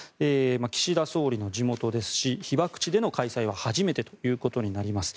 岸田総理の地元ですし被爆地での開催は初めてということになります。